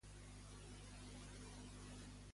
Què són els Tejeros?